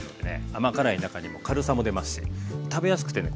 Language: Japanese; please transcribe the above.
甘辛い中にも軽さも出ますし食べやすくてね